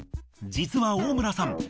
実は大村さん